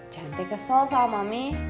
jantai kesel sama mami